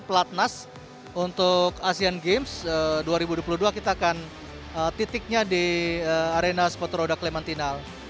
pelatnas untuk asian games dua ribu dua puluh dua kita akan titiknya di arena sepatu roda klementinal